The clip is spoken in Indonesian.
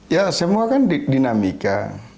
ya semua kan dinamika